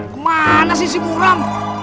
kemana sih si buram